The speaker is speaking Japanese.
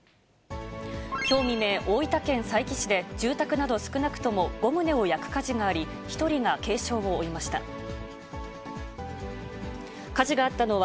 きょう未明、大分県佐伯市で、住宅など少なくとも５棟を焼く火事があり、１人が軽傷を負いました。